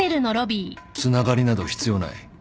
つながりなど必要ない。